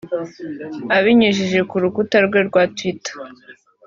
Abinyujije ku rukuta rwe rwa Twitter